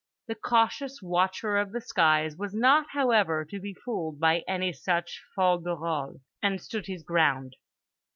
The cautious watcher of the skies was not, however, to be fooled by any such fol de rol and stood his ground.